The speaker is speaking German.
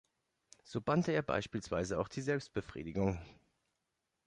So bannte er beispielsweise auch die Selbstbefriedigung.